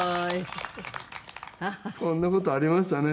こんな事ありましたね。